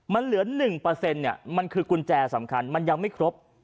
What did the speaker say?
มันเหลือ๑มันคือกุญแจสำคัญมันยังไม่ครบ